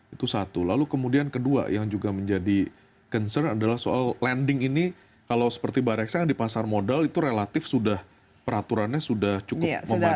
itu satu lalu kemudian kedua yang juga menjadi concern adalah soal landing ini kalau seperti bareksa yang di pasar modal itu relatif sudah peraturannya sudah cukup memadai